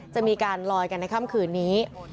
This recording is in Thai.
จะมีการลอยกันในค่ำคืนนี้